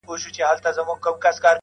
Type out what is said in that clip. غزل دي نور له دې بازاره سره نه جوړیږي -